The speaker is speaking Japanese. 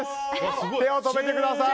手を止めてください。